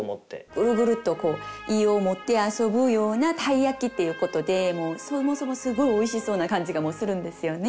「グルグルと胃をもてあそぶようなたい焼き」っていうことでそもそもすごいおいしそうな感じがするんですよね。